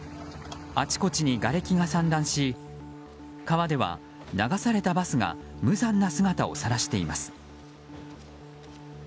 あちこちに、がれきが散乱し川では流されたバスが無残な姿をさらしています。